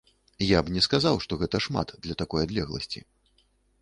Я б не сказаў, што гэта шмат для такой адлегласці.